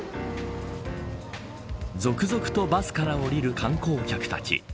続々とバスから降りる観光客たち。